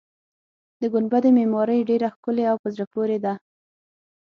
د ګنبدې معمارۍ ډېره ښکلې او په زړه پورې ده.